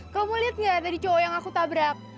kamu liat gak tadi cowok yang aku tabrak